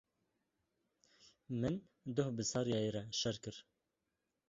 Min doh bi Saryayê re şer kir.